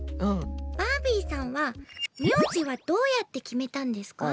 バービーさんは名字はどうやって決めたんですか？